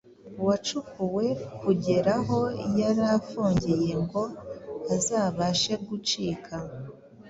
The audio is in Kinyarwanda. wacukuwe kugera aho yari afungiye ngo azabashe gucika